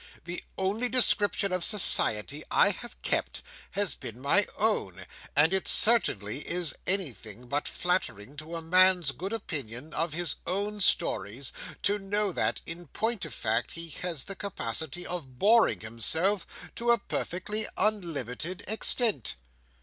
The only description of society I have kept, has been my own; and it certainly is anything but flattering to a man's good opinion of his own sources, to know that, in point of fact, he has the capacity of boring himself to a perfectly unlimited extent."